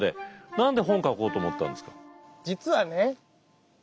何で本書こうと思ったんですか？